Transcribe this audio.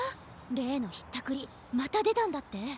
れいのひったくりまたでたんだって？